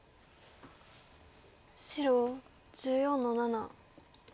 白１４の七。